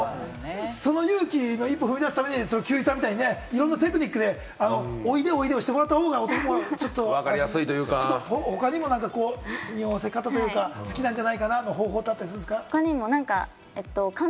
その勇気、一歩を踏み出すために、休井さんのように、いろいろなテクニックで、おいでおいでをしてもらった方が他にも何か匂わせ方、好きなんじゃないかな？の方法ありますか？